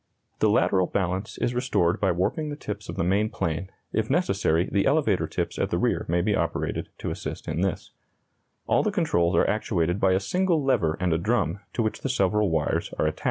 The lateral balance is restored by warping the tips of the main plane; if necessary, the elevator tips at the rear may be operated to assist in this. All the controls are actuated by a single lever and a drum to which the several wires are attached. [Illustration: Diagram of Bleriot "No. XI.," from the rear.